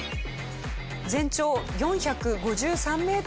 全長４５３メートルの坂道。